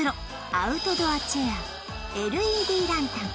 アウトドアチェアＬＥＤランタン